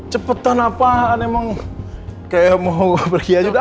cepetan apaan emang kayak mau pergi aja dah